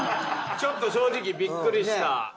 ちょっと正直びっくりした。